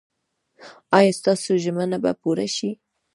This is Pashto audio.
ایا ستاسو ژمنه به پوره شي؟